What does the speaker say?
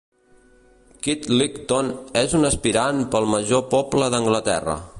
Kidlington és un aspirant pel major poble d'Anglaterra.